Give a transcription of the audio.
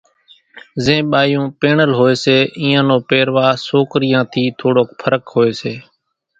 زين ٻايوُن پيڻل هوئيَ سي اينيان نو پيرواۿ سوڪريان ٿِي ٿوڙوڪ ڦرق هوئيَ سي۔